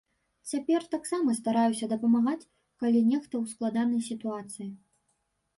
Цяпер таксама стараюся дапамагаць, калі нехта ў складанай сітуацыі.